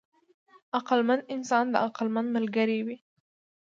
عقلمند انسان د عقلمند ملګری وي.